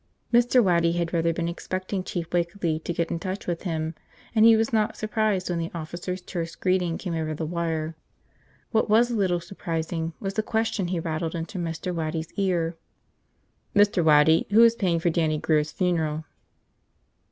Mr. Waddy had rather been expecting Chief Wakeley to get in touch with him and he was not surprised when the officer's terse greeting came over the wire. What was a little surprising was the question he rattled into Mr. Waddy's ear. "Mr. Waddy, who is paying for Dannie Grear's funeral?"